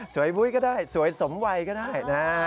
บุ้ยก็ได้สวยสมวัยก็ได้นะ